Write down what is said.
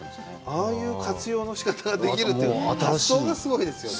ああいう活用の仕方ができるという、発想がすごいですよね。